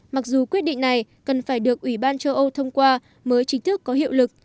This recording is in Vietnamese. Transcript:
mặc dù quyết định này cần phải được ủy ban châu âu thông qua mới chính thức có hiệu lực